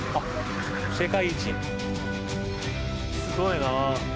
すごいなあ。